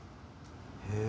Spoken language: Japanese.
へえ。